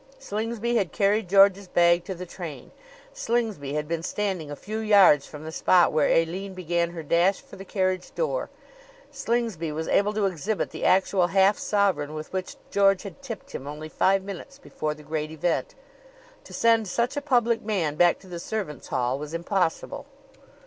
Slingsby had carried George's bag to the train. Slingsby had been standing a few yards from the spot where Aline began her dash for the carriage door. Slingsby was able to exhibit the actual half sovereign with which George had tipped him only five minutes before the great event. To send such a public man back to the servants' hall was impossible.